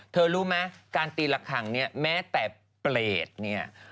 รู้ไหมการตีละครั้งเนี่ยแม้แต่เปรตเนี่ย